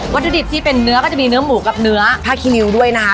ถุดิบที่เป็นเนื้อก็จะมีเนื้อหมูกับเนื้อผ้าคิริวด้วยนะคะ